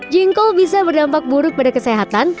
jengkol bisa berdampak buruk pada kesehatan